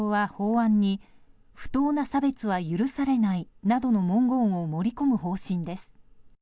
自民党は法案に不当な差別は許されないなどの文言を盛り込む方針です。